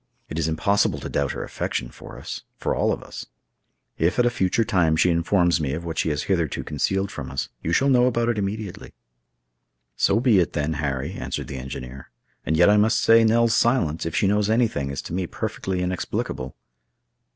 It is impossible to doubt her affection for us—for all of us. If at a future time she informs me of what she has hitherto concealed from us, you shall know about it immediately." "So be it, then, Harry," answered the engineer; "and yet I must say Nell's silence, if she knows anything, is to me perfectly inexplicable."